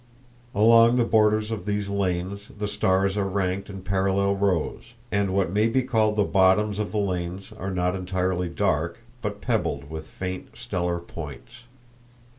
Along the borders of these lanes the stars are ranked in parallel rows, and what may be called the bottoms of the lanes are not entirely dark, but pebbled with faint stellar points.